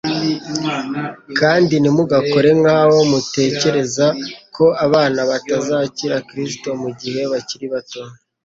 kandi ntimugakore nkaho mutekereza ko abana batazakira Kristo mu gihe bakiri bato.